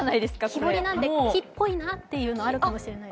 木彫りなんで、木っぽいなというのがあるかもしれない。